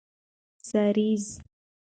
سريزه